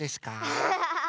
アハハハ！